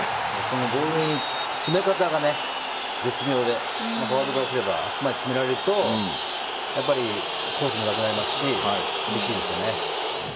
ボールの詰め方が絶妙でフォワードからすればあそこまで詰められるとやっぱりコースもなくなりますし厳しいですよね。